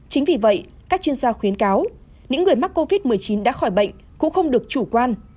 chính vì vậy các chuyên gia khuyến cáo những người mắc covid một mươi chín đã khỏi bệnh cũng không được chủ quan